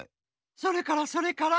それからそれから？